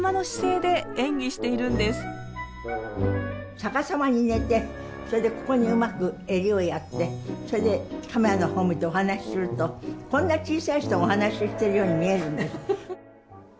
逆さまに寝てそれでここにうまく襟をやってそれでカメラの方を向いてお話しするとこんな小さい人がお話ししてるように見えるんです。